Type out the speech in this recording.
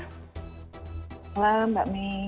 selamat malam mbak may